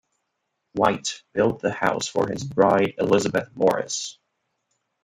White built the house for his bride Elizabeth Morris.